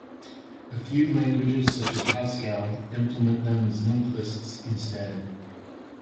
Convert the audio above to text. A few languages such as Haskell implement them as linked lists instead.